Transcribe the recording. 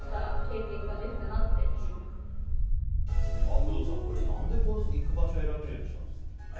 工藤さん、何で行く場所を選べるようにしたんですか。